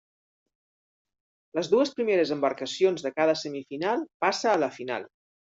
Les dues primeres embarcacions de cada semifinal passa a la final.